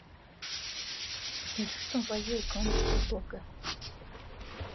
Il fut envoyé au camp de Siegburg.